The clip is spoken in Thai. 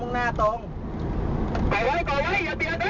หลายตามน่าจะเริ่มปล่อยแล้ว